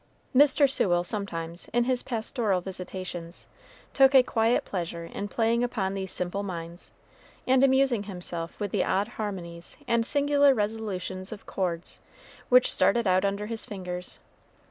Mr. Sewell sometimes, in his pastoral visitations, took a quiet pleasure in playing upon these simple minds, and amusing himself with the odd harmonies and singular resolutions of chords which started out under his fingers.